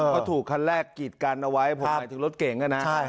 ก็ถูกคันแรกกีดกันเอาไว้ผมหมายถึงรถเก่งนะ